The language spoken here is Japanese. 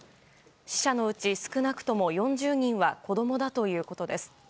死者のうち、少なくとも４０人は子供だということです。